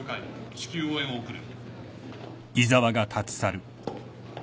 至急応援を送る。